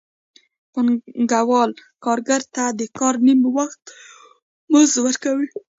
پانګوال کارګر ته د کار نیم وخت مزد ورکوي